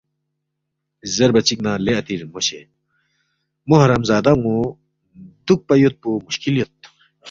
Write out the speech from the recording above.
زیربا چِکنا، لے اَتی رِنموشے، مو حرام زادان٘و دُوکپا یودپو مُشکل یود